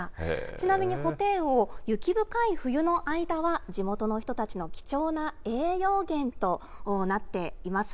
ちなみにホテイウオ、雪深い冬の間は、地元の人たちの貴重な栄養源となっています。